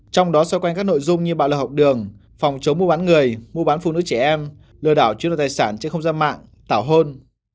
trong đó xoay quanh các nội dung như bạo lực học đường phòng chống mua bán người mua bán phụ nữ trẻ em lừa đảo chiếm đoạt tài sản trên không gian mạng tảo hôn